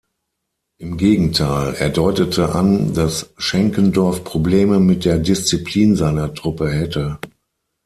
Im Gegenteil, er deutete an, dass Schenckendorff Probleme mit der Disziplin seiner Truppe hätte.